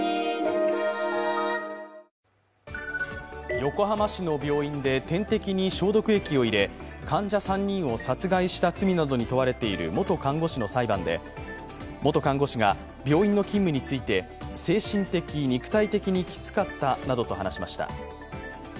横浜市の病院で点滴に消毒液を入れ患者３人を殺害した罪などに問われている元看護師の裁判で元看護師が病院の勤務について精神的、肉体的にきつかったなどと話しました。